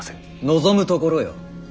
望むところよ。